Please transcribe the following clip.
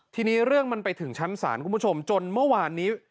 ทีนี้เรื่องมันไปถึงชั้นศาลคุณผู้ชมจนเมื่อวานนี้